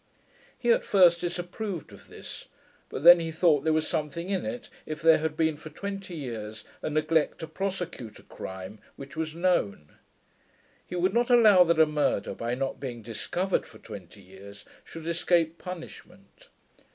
He at first disapproved of this; but then he thought there was something in it, if there had been for twenty years a neglect to prosecute a crime which was KNOWN. He would not allow that a murder, by not being DISCOVERED for twenty years, should escape punishment.